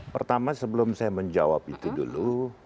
pertama sebelum saya menjawab itu dulu